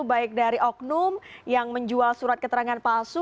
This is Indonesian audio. baik dari oknum yang menjual surat keterangan palsu